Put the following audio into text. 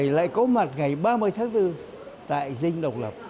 lại có mặt ngày ba mươi tháng bốn tại dinh độc lập